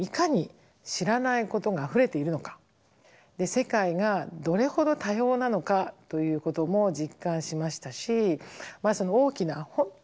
世界がどれほど多様なのかということも実感しましたしまあその大きな本当にいろんな考え方